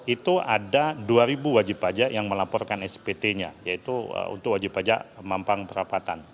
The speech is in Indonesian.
itu ada dua wajib pajak yang melaporkan spt nya yaitu untuk wajib pajak mampang perapatan